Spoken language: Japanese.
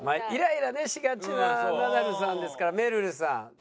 イライラねしがちなナダルさんですからめるるさん。